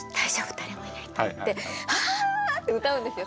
誰もいないと思ってああ！って歌うんですよ。